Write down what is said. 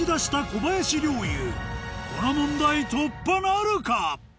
この問題突破なるか？